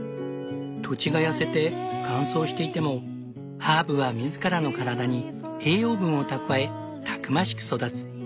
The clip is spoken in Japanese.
土地が痩せて乾燥していてもハーブは自らの体に栄養分を蓄えたくましく育つ。